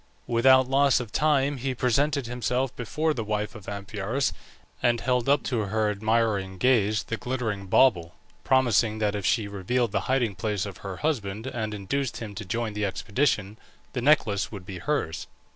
Without loss of time he presented himself before the wife of Amphiaraus, and held up to her admiring gaze the glittering bauble, promising that if she revealed the hiding place of her husband and induced him to join the expedition, the necklace should be hers.